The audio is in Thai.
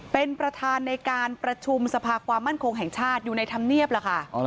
เป็นประธานในการประชุมสภาความมั่นคงแห่งชาติอยู่ในธรรมเนียบล่ะค่ะ